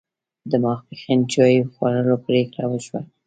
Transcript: د ماپښین چای خوړلو پرېکړه وشوه.